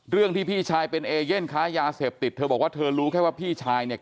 ที่พี่ชายเป็นเอเย่นค้ายาเสพติดเธอบอกว่าเธอรู้แค่ว่าพี่ชายเนี่ย